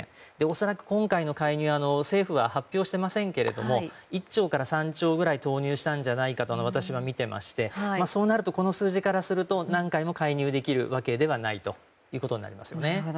恐らく今回の介入政府は発表していませんが１兆から３兆ぐらい投入したんじゃないかと私は見ていましてそうなるとこの数字からすると何回も介入できるわけでないことになりますね。